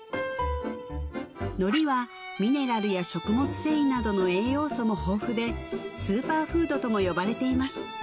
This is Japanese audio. のりはミネラルや食物繊維などの栄養素も豊富でスーパーフードとも呼ばれています